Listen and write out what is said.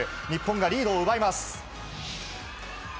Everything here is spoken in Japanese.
日本がリードを奪います。